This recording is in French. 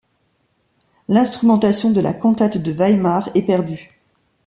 L'instrumentation de la cantate de Weimar est perdue.